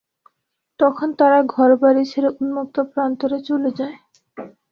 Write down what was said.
তখন তারা ঘর-বাড়ি ছেড়ে উন্মুক্ত প্রান্তরে চলে যায়।